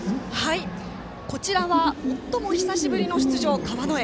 こちらは久しぶりの出場川之江。